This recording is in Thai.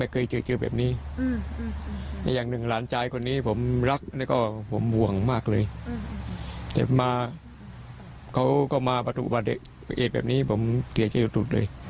คุณลุงจะเจอไทยในเกี่ยวสุดเลย